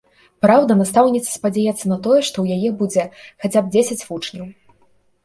Праўда, настаўніца спадзяецца на тое, што ў яе будзе хаця б дзесяць вучняў.